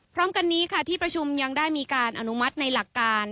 พร้อมกันนี้ค่ะที่ประชุมยังได้มีการอนุมัติในหลักการ